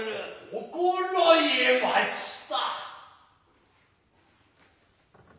心得ました。